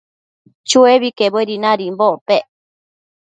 Chuebi quebuedi nadimbocpec